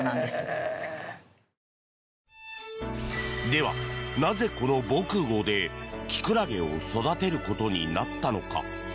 では、なぜこの防空壕でキクラゲを育てることになったのか？